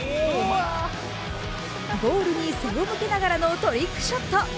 ゴールに背を向けながらのトリックショット。